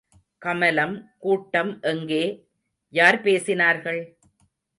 கமலம் கூட்டம் எங்கே, யார் பேசினார்கள்?